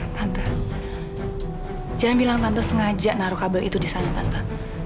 jangan bilang tante sengaja naruh kabel itu di sana tanpa